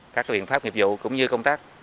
các biện pháp nghiệp dụ cũng như công tác